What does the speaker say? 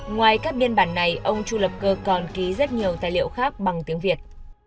ngoài các biên bản này ông chu lập cơ còn ký rất nhiều tài liệu khác bằng tiếng việt